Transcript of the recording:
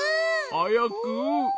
はやく。